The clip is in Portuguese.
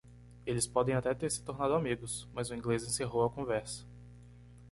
Eles podem até ter se tornado amigos?, mas o inglês encerrou a conversa.